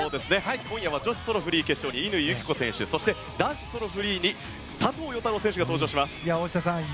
今夜は女子ソロ・フリー決勝に乾友紀子選手そして男子ソロ・フリーに佐藤陽太郎選手が登場します。